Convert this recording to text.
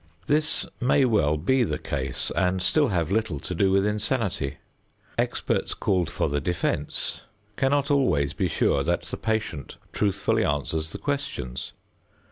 This may well be the case and still have little to do with insanity. Experts called for the defense cannot always be sure that the patient truthfully answers the questions.